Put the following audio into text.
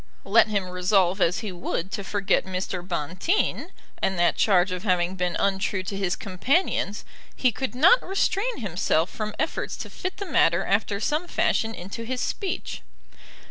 Let him resolve as he would to forget Mr. Bonteen, and that charge of having been untrue to his companions, he could not restrain himself from efforts to fit the matter after some fashion into his speech.